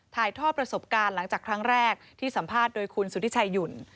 ถ่ายทอดประสบการณ์หลังจากครั้งแรกที่สัมภาษณ์โดยคุณสุธิชัยหยุ่น